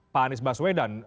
pak anies baswedan